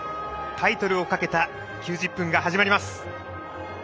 タイトルをかけた９０分が始まります。